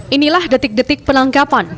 inilah detik detik penangkapan